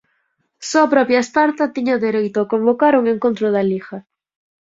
Só a propia Esparta tiña o dereito a convocar un encontro da Liga.